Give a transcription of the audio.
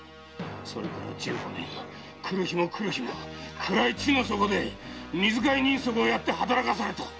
それから十五年来る日も来る日も暗い地の底で水替え人足をやって働かされた。